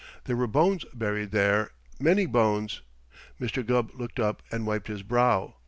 There were bones buried there many bones. Mr. Gubb looked up and wiped his brow.